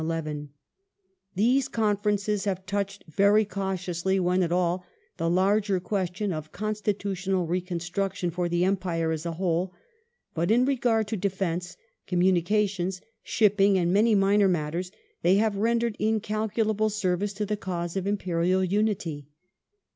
^ These Conferences have touched very cautiously, when at all, the larger (question of constitutional reconstruction for the Empire as a whole ; but in regard to defence, communications, shipping, and many minor matters they have rendered incalculable service to the cause of Imperial unity.